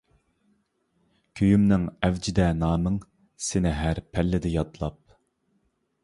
كۈيۈمنىڭ ئەۋجىدە نامىڭ، سېنى ھەر پەللىدە يادلاپ.